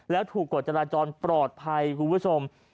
แล้วถูกกฎจราจรปลอดภัยคุณผู้ชม